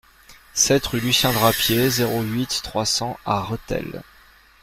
sept rue Lucien Drapier, zéro huit, trois cents à Rethel